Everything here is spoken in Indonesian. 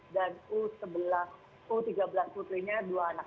dan u tiga belas putrinya dua anak